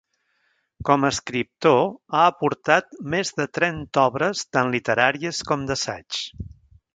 Com a escriptor ha aportat més de trenta obres tant literàries com d'assaig.